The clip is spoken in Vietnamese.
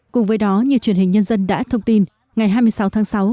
cùng với đó như truyền hình nhân dân đã thông tin ngày hai mươi sáu tháng sáu